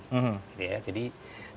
jadi dokumen dokumen itu harus diperlukan